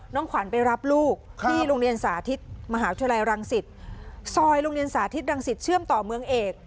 ขวัญไปรับลูกที่โรงเรียนสาธิตมหาวิทยาลัยรังสิตซอยโรงเรียนสาธิตรังสิตเชื่อมต่อเมืองเอก